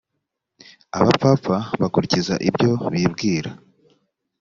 abapfapfa bakurikiza ibyo bibwira